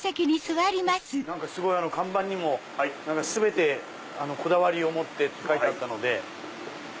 何かすごい看板にも全てこだわりを持ってって書いてあったので。